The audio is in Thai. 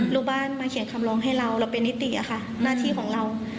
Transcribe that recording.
ลูกบ้านมาเขียนคำร้องให้เราเราเป็นนิติอะค่ะหน้าที่ของเรา